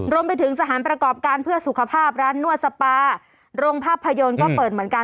รวมไปถึงสถานประกอบการเพื่อสุขภาพร้านนวดสปาโรงภาพยนตร์ก็เปิดเหมือนกัน